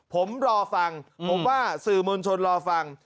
ผมรอฟังผมว่าสื่อมวลชนรอฟัง